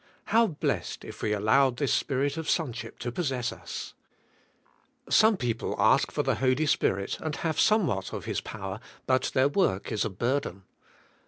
How blessed if we allowed this Spirit of sonship to pos sess us. Some people ask for the Holy Spirit and have somewhat of His power but their work is a burden.